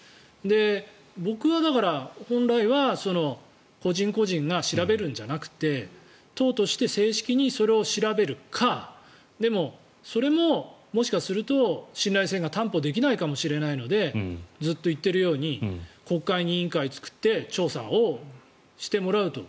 僕は本来は個人個人が調べるんじゃなくて党として正式にそれを調べるかそれももしかすると、信頼性が担保できないかもしれないのでずっと言っているように国会に委員会を作って調査をしてもらうと。